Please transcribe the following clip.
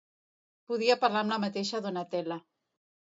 Podia parlar amb la mateixa Donatella.